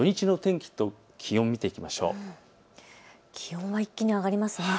気温は一気に上がりますね。